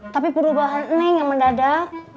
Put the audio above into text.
tapi perubahan neng yang mendadak